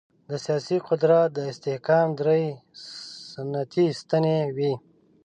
د سیاسي قدرت د استحکام درې سنتي ستنې وې.